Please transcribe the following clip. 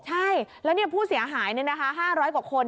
ใช่แล้วนี่ผู้เสียหายเนี่ยนะคะ๕๐๐กว่าคน